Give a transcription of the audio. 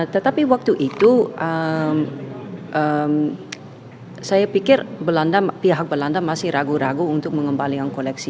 tetapi waktu itu saya pikir pihak belanda masih ragu ragu untuk mengembalikan koleksi